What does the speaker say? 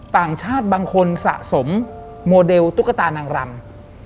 ต่างชาติบางคนสะสมโมเดลตุ๊กตานางรำ